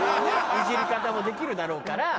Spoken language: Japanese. イジり方もできるだろうから。